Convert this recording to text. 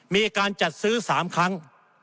มีการจัดซื้อ๓ครั้ง